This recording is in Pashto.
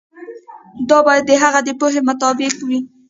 دا باید د هغه د پوهې مطابق وي.